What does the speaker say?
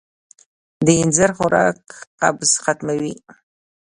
د اینځر خوراک قبض ختموي.